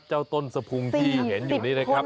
ต้นสะพุงที่เห็นอยู่นี้นะครับ